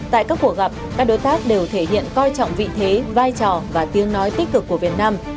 tại các cuộc gặp các đối tác đều thể hiện coi trọng vị thế vai trò và tiếng nói tích cực của việt nam